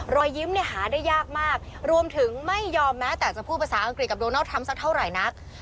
รอยยิ้มเนี่ยหาได้ยากมากรวมถึงไม่ยอมแม้แต่จะพูดภาษาอังกฤษกับโดนัลดทรัมป์สักเท่าไหร่นัก